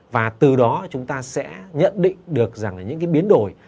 và từ đó chúng ta sẽ nhận định được rằng là những cái biến đổi